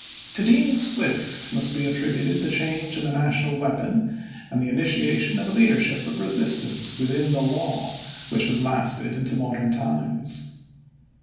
To Dean Swift must be attributed the change in the national weapon and the initiation of a leadership of resistance within the law, which has lasted into modern times.